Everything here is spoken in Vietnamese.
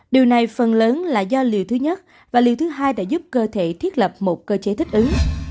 điều này phần lớn là do liều thứ nhất và liều thứ hai đã giúp cơ thể thiết lập một cơ chế thích ứng